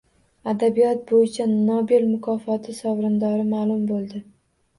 Adabiyot bo‘yicha Nobel mukofoti sovrindori ma’lum bo‘ldi